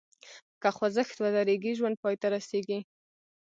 که خوځښت ودریږي، ژوند پای ته رسېږي.